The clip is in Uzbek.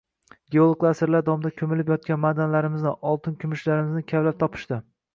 Geologlar asrlar davomida ko’milib yotgan ma’danlarimizni, oltin-kumushlarimizni kavlab topishdi